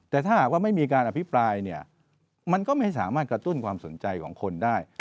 แต่ถ้าหากว่าไม่มีการอภิปรายเนี่ยมันก็ไม่สามารถกระตุ้นความสนใจของคนได้